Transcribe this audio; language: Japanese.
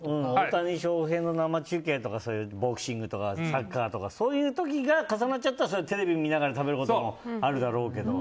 大谷翔平の生中継とかボクシングとかサッカーとかそういう時が重なったらそれはテレビ見ながら食べることもあるだろうけど